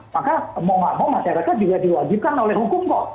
maka mau nggak mau masyarakat juga diwajibkan oleh hukum kok